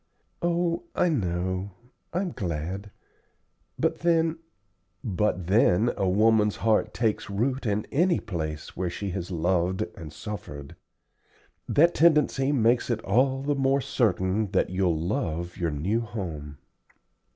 "Oh, I know. I'm glad; but then " "But then a woman's heart takes root in any place where she has loved and suffered. That tendency makes it all the more certain that you'll love your new home."